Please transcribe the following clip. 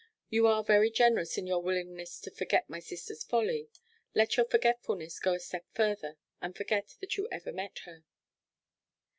You are very generous in your willingness to forget my sister's folly. Let your forgetfulness go a step further, and forget that you ever met her.'